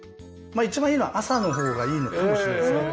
一番いいのは朝の方がいいのかもしれません。